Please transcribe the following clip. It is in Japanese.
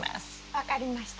分かりました。